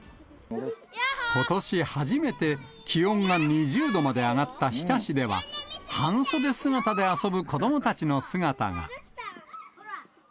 ことし初めて、気温が２０度まで上がった日田市では、半袖姿で遊ぶ子どもたちの姿が。